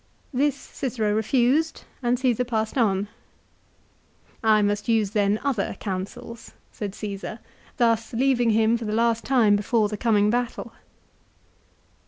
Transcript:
This Cicero refused, and Caesar passed on. " I must then use other counsels," said Caesar, thus leaving him for the last time before the coming battle.